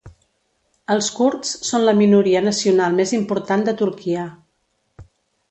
Els kurds són la minoria nacional més important de Turquia.